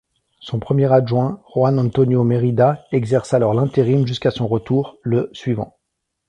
Son premier adjoint Juan Antonio Mérida exerce alors l'intérim jusqu'à son retour, le suivant.